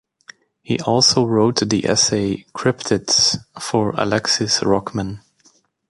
He also wrote the essay "Cryptids" for Alexis Rockman.